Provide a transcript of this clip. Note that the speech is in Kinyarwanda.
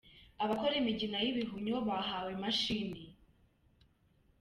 Abakora imigina y’ibihumyo bahawe imashini